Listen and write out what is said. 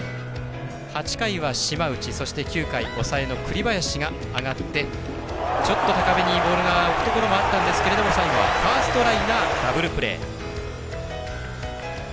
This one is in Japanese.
８回は島内、そして９回抑えの栗林が上がって高めにボールが浮くところもあったんですが最後はファーストライナーダブルプレー。